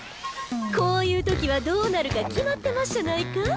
こういう時はどうなるか決まってまっしゃないか？